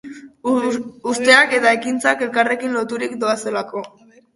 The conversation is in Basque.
Usteak eta ekintzak elkarrekin loturik doazelako.